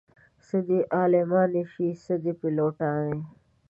څه دې عالمانې شي څه دې پيلوټانې